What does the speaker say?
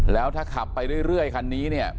แล้วถ้าขับไปเรื่อยคันนี้